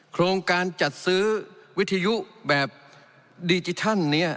โครงการจัดซื้อวิทยุแบบดิจิทัลเนี่ย